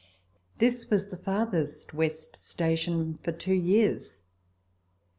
This was the farthest west station for two years.